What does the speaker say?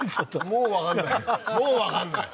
もうわかんない